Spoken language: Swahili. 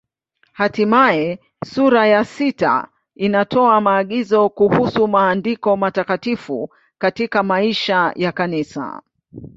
Hatimaye sura ya sita inatoa maagizo kuhusu Maandiko Matakatifu katika maisha ya Kanisa.